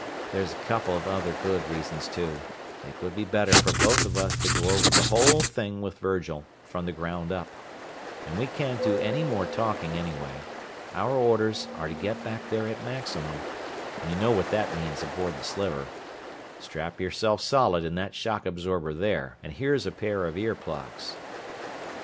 There's a couple of other good reasons, too it would be better for both of us to go over the whole thing with Virgil, from the ground up; and we can't do any more talking, anyway. Our orders are to get back there at maximum, and you know what that means aboard the Sliver. Strap yourself solid in that shock absorber there, and here's a pair of ear plugs."